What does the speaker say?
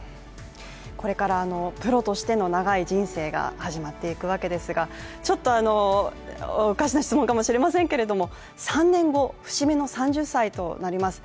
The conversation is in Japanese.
これからプロとしての長い人生が始まっていくわけですが、ちょっとおかしな質問かもしれませんけど３年後、節目の３０歳となります。